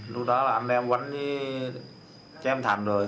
lúc đó là anh em quánh với trẻ anh thành rồi